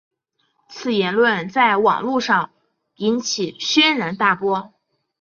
其言论在网路上引起轩然大波。